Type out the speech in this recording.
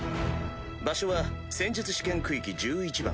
場所は戦術試験区域１１番。